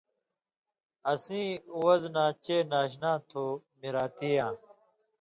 اسیں وزنہ چے ناشنا تھو مراتی یاں،